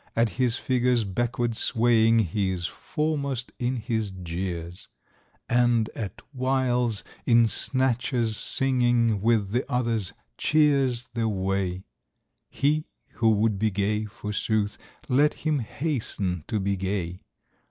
At his figure's backward swaying He is foremost in his jeers ; And at whiles, in snatches singing With the others, cheers the way : He who would be gay, forsooth. Let him hasten to be gay.